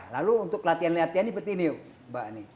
lalu untuk latihan latihan seperti ini mbak ani